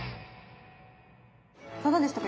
いかがでしたか？